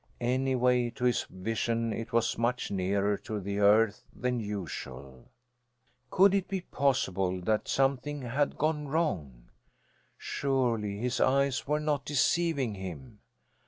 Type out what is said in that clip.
Anyway, to his vision it was much nearer to the earth than usual. Could it be possible that something had gone wrong? Surely his eyes were not deceiving him!